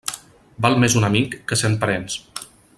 Val més un amic que cent parents.